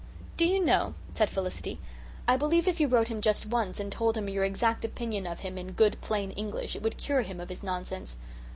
"Do you know," said Felicity, "I believe if you wrote him just once and told him your exact opinion of him in good plain English it would cure him of his nonsense."